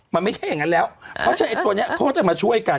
มันไม่ใช่อย่างนั้นแล้วเพราะฉะนั้นไอ้ตัวนี้เขาจะมาช่วยกัน